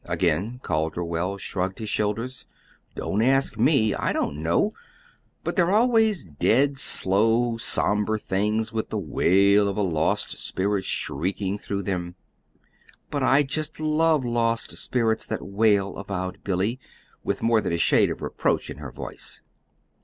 Again Calderwell shrugged his shoulders. "Don't ask me. I don't know. But they're always dead slow, somber things, with the wail of a lost spirit shrieking through them." "But I just love lost spirits that wail," avowed Billy, with more than a shade of reproach in her voice.